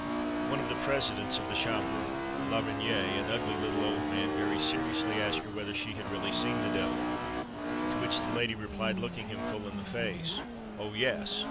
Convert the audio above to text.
One of the presidents of the Chambre, La Reynie, an ugly little old man, very seriously asked her whether she had really seen the devil; to which the lady replied, looking him full in the face, "Oh, yes!